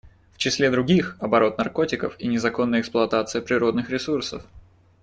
В числе других — оборот наркотиков и незаконная эксплуатация природных ресурсов.